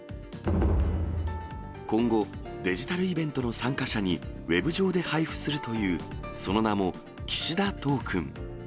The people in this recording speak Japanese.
今後、デジタルイベントの参加者に、ウェブ上で配布するというその名も岸田トークン。